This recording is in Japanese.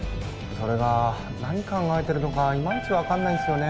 それが何考えてるのかイマイチ分かんないんすよね